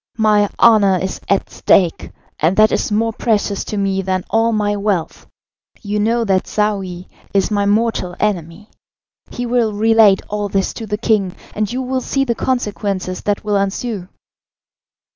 My honour is at stake, and that is more precious to me than all my wealth. You know that Saouy is my mortal enemy. He will relate all this to the king, and you will see the consequences that will ensue."